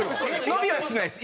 伸びはしないです。